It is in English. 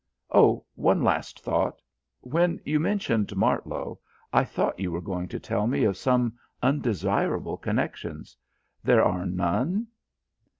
Oh, one last thought. When you mentioned Martlow, I thought you were going to tell me of some undesirable connections. There are none?"